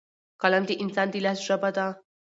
قلم د انسان د لاس ژبه ده.